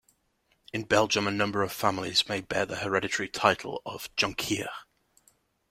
In Belgium, a number of families may bear the hereditary title of "Jonkheer".